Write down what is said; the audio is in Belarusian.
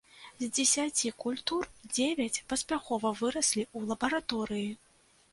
З дзесяці культур дзевяць паспяхова выраслі ў лабараторыі.